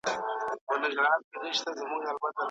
ټولنپوهنه اوس يوه ځانګړې موضوع ده.